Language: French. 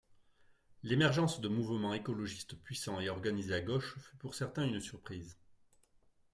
L’émergence de mouvements écologistes puissants et organisés à gauche fut pour certains une surprise.